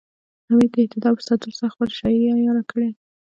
حمید د اعتدال په ساتلو سره خپله شاعرۍ عیاره کړه